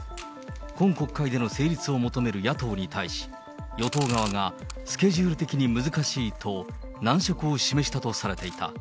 今国会での成立を求める野党に対し、与党側がスケジュール的に難しいと、難色を示したとされていた。